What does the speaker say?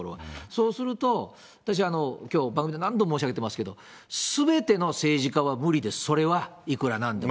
そうすると、私、きょう、番組で何度も申し上げてますけれども、すべての政治家は無理です、それはいくらなんでも。